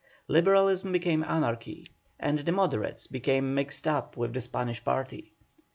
Liberalism became anarchy, and the Moderates became mixed up with the Spanish party.